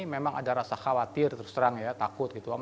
memang ada rasa khawatir terus terang ya takut gitu